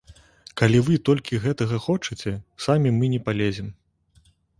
Калі вы толькі гэтага хочаце, самі мы не палезем.